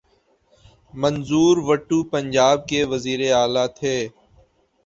منظور وٹو پنجاب کے وزیر اعلی تھے۔